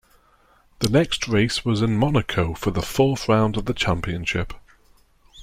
The next race was in Monaco for the fourth round of the Championship.